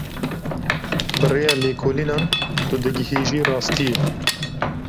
Bi rêya lêkolînan tu digihîjî rastiyê.